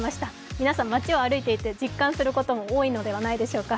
皆さん、街を歩いていて実感することも多いのではないでしょうか。